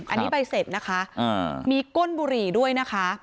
อันนี้ใบเสร็จนะคะมีก้นบุหรี่ด้วยนะคะ